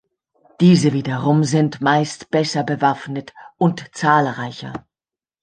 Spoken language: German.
Diese wiederum sind meist besser bewaffnet und zahlreicher.